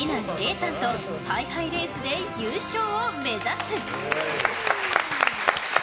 たんとハイハイレースで優勝を目指す！